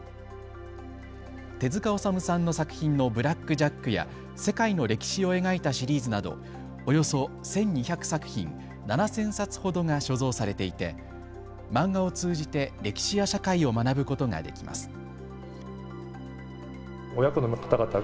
手塚治虫さんの作品のブラック・ジャックや世界の歴史を描いたシリーズなどおよそ１２００作品、７０００冊ほどが所蔵されていて漫画を通じて歴史や社会を学ぶことができます。